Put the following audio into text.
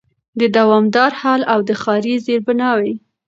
د دوامدار حل او د ښاري زېربناوو